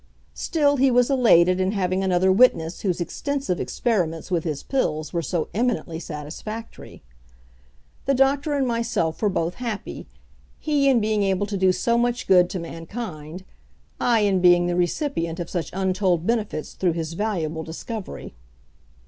Still he was elated in having another witness whose extensive experiments with his pills were so eminently satisfactory. The doctor and myself were both happy he in being able to do so much good to mankind; I in being the recipient of such untold benefits through his valuable discovery.